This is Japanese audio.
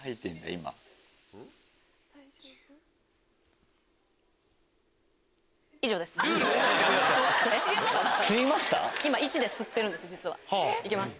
今１で吸ってるんです行きます。